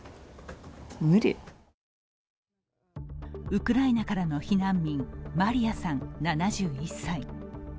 ウクライナからの避難民、マリアさん７１歳。